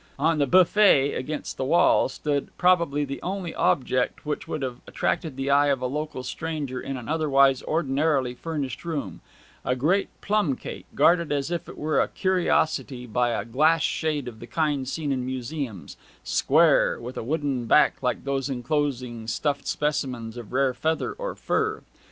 On the 'beaufet' against the wall stood probably the only object which would have attracted the eye of a local stranger in an otherwise ordinarily furnished room, a great plum cake guarded as if it were a curiosity by a glass shade of the kind seen in museums square, with a wooden back like those enclosing stuffed specimens of rare feather or fur.